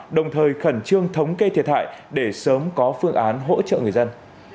đồng thời khẩn trương thống kê thiệt hại để sớm có phương án hỗ trợ người dân